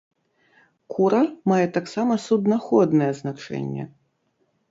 Кура мае таксама суднаходнае значэнне.